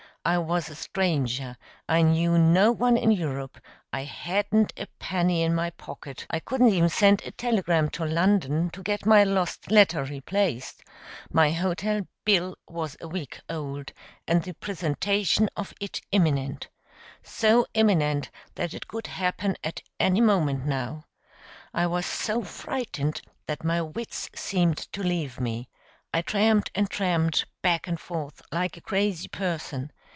I was a stranger; I knew no one in Europe; I hadn't a penny in my pocket; I couldn't even send a telegram to London to get my lost letter replaced; my hotel bill was a week old, and the presentation of it imminent so imminent that it could happen at any moment now. I was so frightened that my wits seemed to leave me. I tramped and tramped, back and forth, like a crazy person.